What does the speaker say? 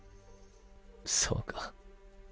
「そうか。